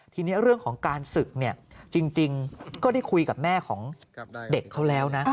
ทีนี้เรื่องของการศึกเนี่ยจริงก็ได้คุยกับแม่ของเด็กเขาแล้วนะ